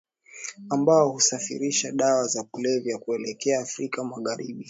ambao husafirisha dawa za kulevya kuelekea afrika magharibi